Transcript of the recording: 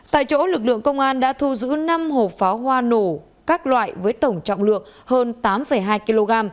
tại chỗ lực lượng công an đã thu giữ năm hộp pháo hoa nổ các loại với tổng trọng lượng hơn tám hai kg